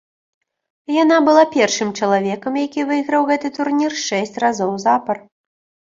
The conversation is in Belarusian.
Яна была першым чалавекам, які выйграў гэты турнір шэсць разоў запар.